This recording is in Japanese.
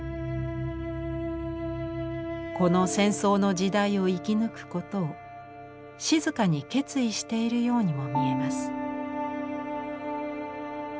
この戦争の時代を生き抜くことを静かに決意しているようにも見えます。